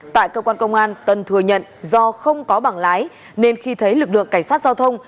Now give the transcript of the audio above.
tại cơ quan công an tân thừa nhận do không có bảng lái nên khi thấy lực lượng cảnh sát giao thông